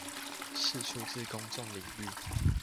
釋出至公眾領域